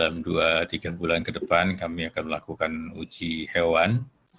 dalam dua tiga bulan ke depan kami akan melakukan uji hewan